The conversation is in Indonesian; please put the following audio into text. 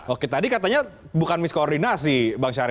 oke tadi katanya bukan miss koordinasi bang syari